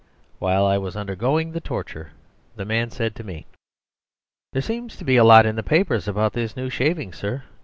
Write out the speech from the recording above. While I was undergoing the torture the man said to me: "There seems to be a lot in the papers about this new shaving, sir.